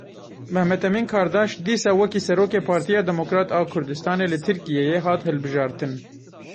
Mehmet Emin Kardaş dîsa wekî serokê Partiya Demokrat a Kurdistanê li Tirkiyeyê hat hilbijartin.